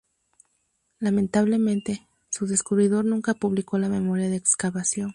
Lamentablemente, su descubridor nunca publicó la memoria de excavación.